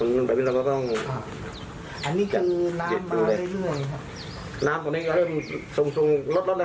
น้ำตรงนี้ก็เริ่มสูงลดนะครับ